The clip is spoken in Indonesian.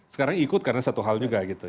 sekarang ikut karena satu hal juga gitu